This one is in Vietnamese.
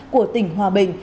của tỉnh hòa bình